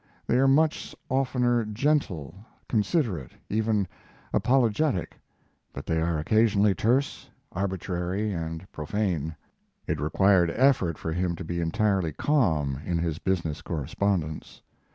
They are much oftener gentle, considerate, even apologetic, but they are occasionally terse, arbitrary, and profane. It required effort for him to be entirely calm in his business correspondence.